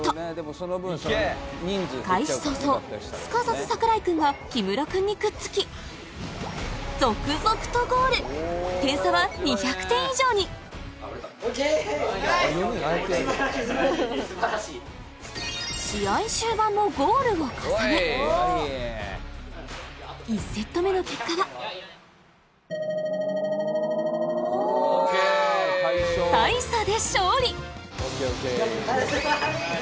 開始早々すかさず櫻井君が木村君にくっつき続々とゴール点差は２００点以上にを重ね１セット目の結果は大差で勝利ナイスナイス！